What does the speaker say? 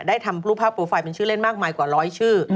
ทำรูปภาพโปรไฟล์เป็นชื่อเล่นมากมายกว่าร้อยชื่อ